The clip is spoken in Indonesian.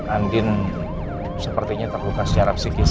andin sepertinya terluka secara psikis